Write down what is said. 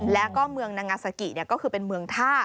แล้วก็เมืองนางาซากิก็คือเป็นเมืองท่า